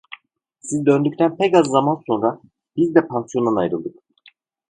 Siz döndükten pek az zaman sonra biz de pansiyondan ayrıldık.